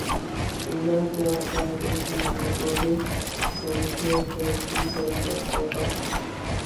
چولہا کیا تھا دیکھنے میں کوزے کے نچلے حصے کی طرح لگتا تھا